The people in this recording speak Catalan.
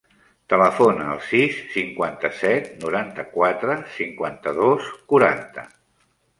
Telefona al sis, cinquanta-set, noranta-quatre, cinquanta-dos, quaranta.